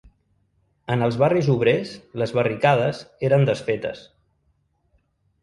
En els barris obrers les barricades eren desfetes